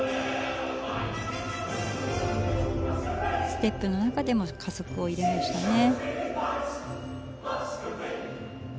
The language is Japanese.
ステップの中でも加速を入れましたね。